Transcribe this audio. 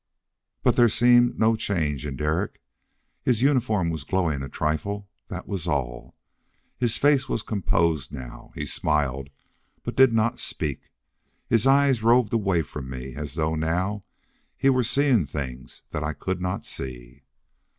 But there seemed no change in Derek. His uniform was glowing a trifle, that was all. His face was composed now; he smiled, but did not speak. His eyes roved away from me, as though now he were seeing things that I could not see.